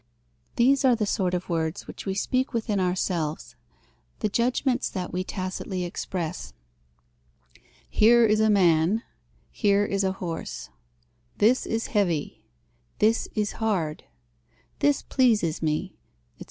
These are the sort of words which we speak within ourselves, the judgments that we tacitly express: "Here is a man, here is a horse, this is heavy, this is hard, this pleases me," etc.